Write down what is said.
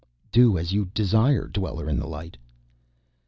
"Do as you desire, Dweller in the Light."